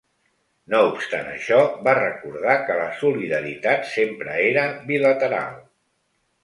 No obstant això, va recordar que la solidaritat sempre era ‘bilateral’.